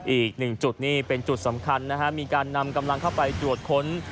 อีกหนึ่งจุดนี่เป็นจุดสำคัญนะฮะมีการนำกำลังเข้าไปตรวจค้น